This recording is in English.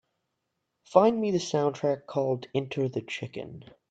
Find me the soundtrack called Enter the Chicken